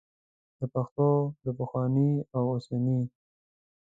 د پښتو د پخواني او اوسني